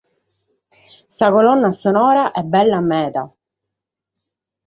Sa colonna sonora est bella meda.